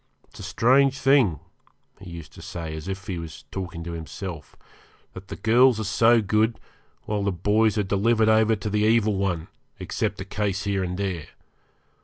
It's a strange thing,' he used to say, as if he was talking to himself, 'that the girls are so good, while the boys are delivered over to the Evil One, except a case here and there.